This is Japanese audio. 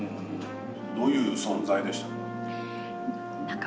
どういう存在でしたか？